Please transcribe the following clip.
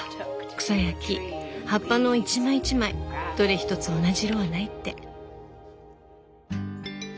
草や木葉っぱの一枚一枚どれ一つ同じ色はないって。